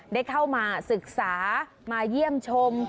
ได้เข้ามาศึกษามาเยี่ยมชม